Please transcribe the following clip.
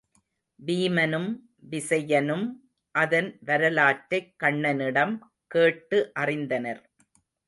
வீமனும், விசயனும் அதன் வரலாற்றைக் கண்ணனிடம் கேட்டு அறிந்தனர்.